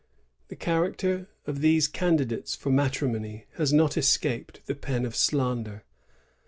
"^ The character of these candidates for matrimony has not escaped the pen of slander.